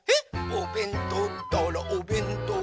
「おべんとうったらおべんとう！